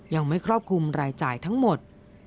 ยังไม่ครอบคลุมรายจ่ายทั้งหมด